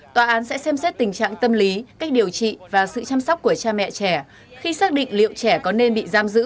tòa án sẽ xem xét tình trạng tâm lý cách điều trị và sự chăm sóc của cha mẹ trẻ khi xác định liệu trẻ có nên bị giam giữ